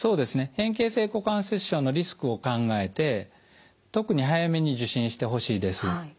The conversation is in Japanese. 変形性股関節症のリスクを考えて特に早めに受診してほしいです。